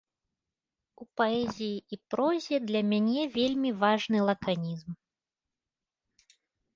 У паэзіі і прозе для мяне вельмі важны лаканізм.